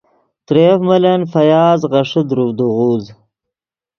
ترے یف ملن فیاض غیݰے دروڤدے غوز